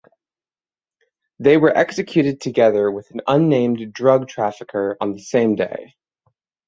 They were executed together with an unnamed drug trafficker on the same day.